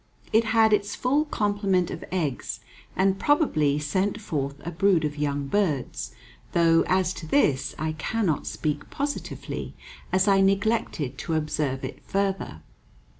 It had its full complement of eggs, and probably sent forth a brood of young birds, though as to this I cannot speak positively, as I neglected to observe it further.